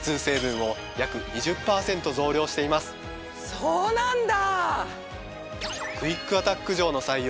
そうなんだ。